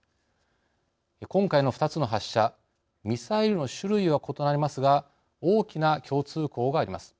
今回の２つの発射ミサイルの種類は異なりますが大きな共通項があります。